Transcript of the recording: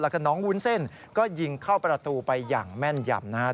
แล้วก็น้องวุ้นเส้นก็ยิงเข้าประตูไปอย่างแม่นยำนะครับ